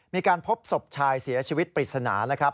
มีการพบศพชายเสียชีวิตปริศนานะครับ